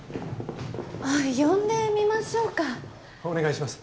呼んでみましょうかお願いします